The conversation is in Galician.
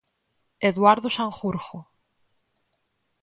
Eduardo Sanjurjo.